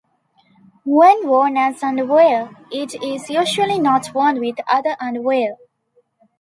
When worn as underwear, it is usually not worn with other underwear.